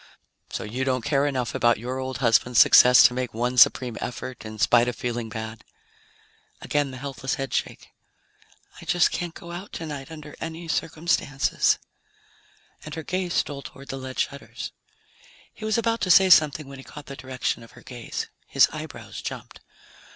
"So you don't care enough about your old husband's success to make one supreme effort in spite of feeling bad?" Again the helpless headshake. "I just can't go out tonight, under any circumstances." And her gaze stole toward the lead shutters. He was about to say something when he caught the direction of her gaze. His eyebrows jumped.